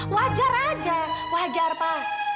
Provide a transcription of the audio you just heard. wajar saja wajar pak